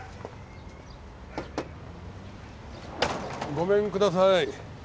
ごめんください。